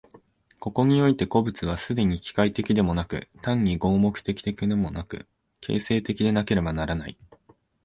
ここにおいて個物は既に機械的でもなく、単に合目的的でもなく、形成的でなければならない。